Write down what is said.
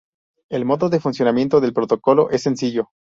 El modo de funcionamiento del protocolo es sencillo.